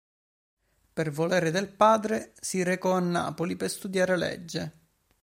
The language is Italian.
Per volere del padre si recò a Napoli per studiare legge.